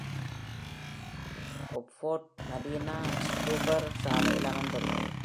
ஒப்போல்ட் Marina, Stouffer சாலையில் அமைந்துள்ளது.